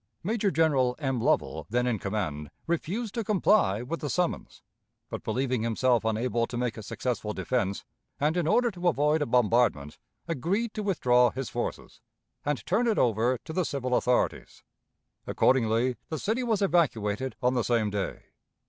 Major General M. Lovell, then in command, refused to comply with the summons, but, believing himself unable to make a successful defense, and in order to avoid a bombardment, agreed to withdraw his forces, and turn it over to the civil authorities. Accordingly, the city was evacuated on the same day.